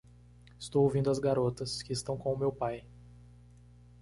Estou ouvindo as garotas, que estão com o meu pai?